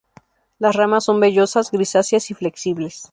Las ramas son vellosas, grisáceas y flexibles.